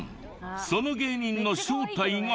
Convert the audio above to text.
その芸人の正体が。